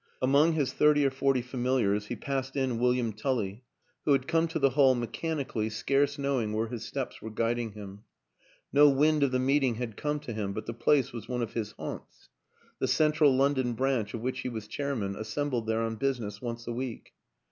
Among his thirty or forty familiars he passed in William Tully who had come to the hall mechanically, scarce knowing where his steps were guiding him. No wind of the meeting had come to him, but the place was one of his haunts the Central London Branch, of which he was chair man, assembled there on business once a week.